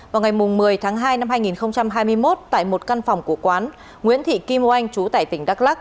vào ngày một mươi tháng hai năm hai nghìn hai mươi một tại một căn phòng của quán nguyễn thị kim oanh chú tại tỉnh đắk lắc